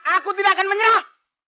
aku tidak akan menyerah